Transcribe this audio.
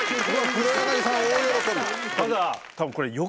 黒柳さん大喜び